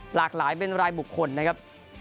หลากหลายเป็นรายบุคคลนะครับ